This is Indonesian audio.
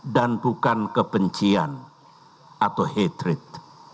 dan bukan kebencian atau hatred